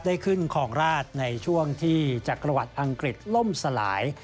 ขึ้นคลองราชในช่วงที่จักรวรรดิอังกฤษล่มสลาย